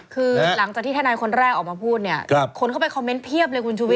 คือหลังจากที่ทนายคนแรกออกมาพูดเนี่ยคนเข้าไปคอมเมนต์เพียบเลยคุณชุวิต